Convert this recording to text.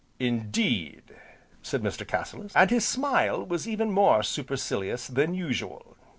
"Indeed!" said Mr. Cassilis, and his smile was even more supercilious than usual.